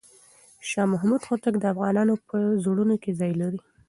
شاه محمود هوتک د افغانانو په زړونو کې ځای لري.